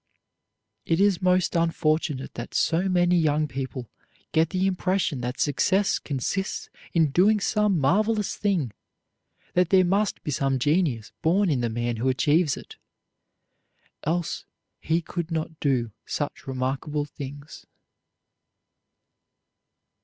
It is most unfortunate that so many young people get the impression that success consists in doing some marvelous thing, that there must be some genius born in the man who achieves it, else he could not do such remarkable things.